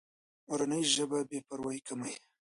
مورنۍ ژبه بې پروایي کموي.